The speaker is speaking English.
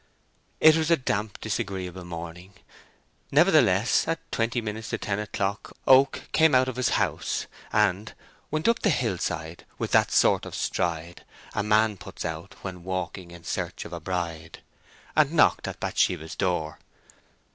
It was a damp disagreeable morning. Nevertheless, at twenty minutes to ten o'clock, Oak came out of his house, and Went up the hill side With that sort of stride A man puts out when walking in search of a bride, and knocked at Bathsheba's door.